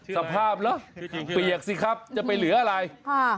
สภาพเหรอเปียกสิครับจะไปเหลืออะไรค่ะ